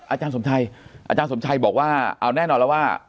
อาจารย์สมชัยอาจารย์สมชัยบอกว่าเอาแน่นอนแล้วว่า